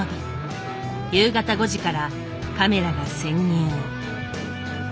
夕方５時からカメラが潜入。